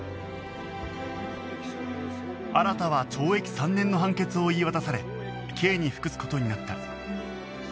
新は懲役３年の判決を言い渡され刑に服す事になった